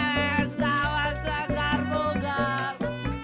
eh es daud segar bugar